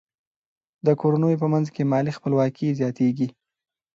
د کورنیو په منځ کې مالي خپلواکي زیاتیږي.